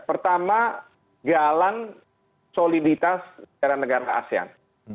pertama galang soliditas negara negara asean